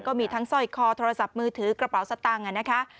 ก็มีทั้งสร้อยคอโทรศัพท์มือถือกระเป๋าสตังค์นะคะ